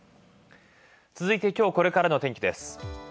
続いて今日これからの天気です。